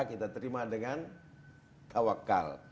kita terima dengan tawakkal